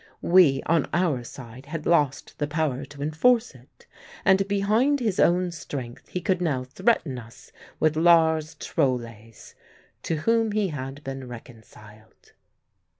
We on our side had lost the power to enforce it, and behind his own strength he could now threaten us with Lars Trolle's, to whom he had been reconciled.